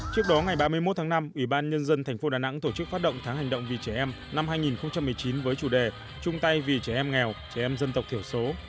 trước đó ngày ba mươi một tháng năm ủy ban nhân dân tp đà nẵng tổ chức phát động tháng hành động vì trẻ em năm hai nghìn một mươi chín với chủ đề trung tây vì trẻ em nghèo trẻ em dân tộc thiểu số